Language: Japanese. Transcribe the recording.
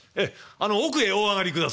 あの奥へお上がりください」。